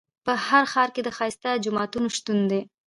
په هر ښار کې د ښایسته جوماتونو شتون دی.